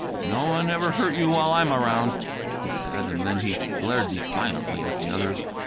"No one ever hurt you while I'm around," he said, and then he glared defiantly at the others.